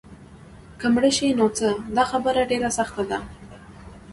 که مړه شي نو څه؟ دا خبره ډېره سخته ده.